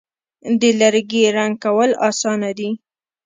د لرګي رنګ کول آسانه دي.